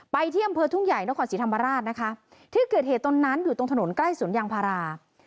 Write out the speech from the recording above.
ที่อำเภอทุ่งใหญ่นครศรีธรรมราชนะคะที่เกิดเหตุตรงนั้นอยู่ตรงถนนใกล้สวนยางพารา